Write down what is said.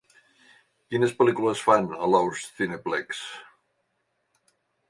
Quines pel·lícules fan a Loews Cineplex?